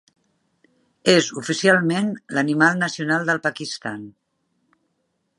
És oficialment l'animal nacional del Pakistan.